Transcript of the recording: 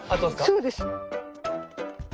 そうです。